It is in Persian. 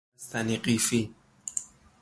بستنی قیفی